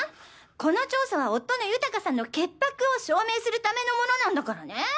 この調査は夫の豊さんの潔白を証明するためのものなんだからね。